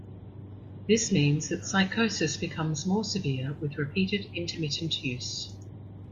This means that psychosis becomes more severe with repeated intermittent use.